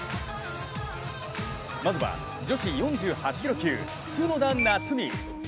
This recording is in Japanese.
まずは女子４８キロ級、角田夏実。